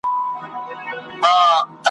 سره د پرتله کولو وړ وو.